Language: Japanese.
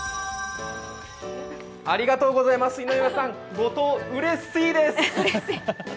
ありがとうございます、井上さん、後藤、うれすぃーです。